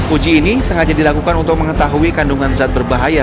uji ini sengaja dilakukan untuk mengetahui kandungan zat berbahaya